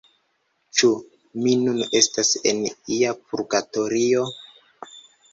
Ĉu mi nun estas en ia purgatorio?